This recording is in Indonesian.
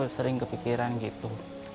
sering kepikiran gitu